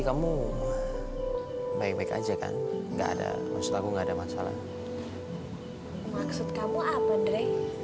kamu baik baik aja kan enggak ada maksud aku enggak ada masalah maksud kamu apa dray